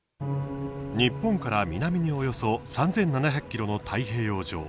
日本から南におよそ３７００ｋｍの太平洋上。